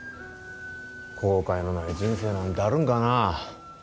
後悔のない人生なんてあるんかな？